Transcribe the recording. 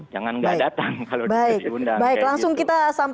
jangan nggak datang kalau diundang